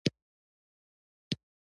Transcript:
افغانستان د زردالو د پلوه ځانته ځانګړتیا لري.